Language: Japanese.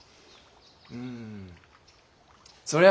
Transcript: うんそりゃ